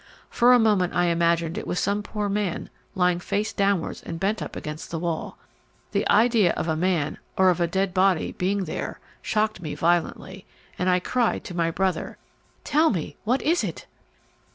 For a moment I imagined it was some poor man lying face downwards and bent up against the wall. The idea of a man or of a dead body being there shocked me violently, and I cried to my brother, "Tell me, what is it?"